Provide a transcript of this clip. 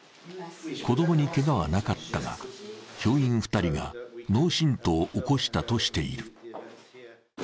子供にけがはなかったが、教員２人が脳震とうを起こしたとしている。